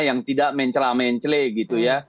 yang tidak mencelah mencelih gitu ya